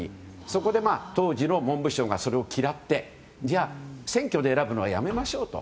そこで当時の文部省が嫌って選挙で選ぶのはやめましょうと。